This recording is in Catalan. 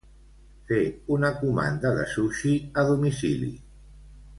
Fer una comanda de sushi a domicili.